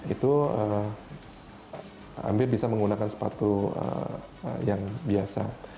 itu hampir bisa menggunakan sepatu yang biasa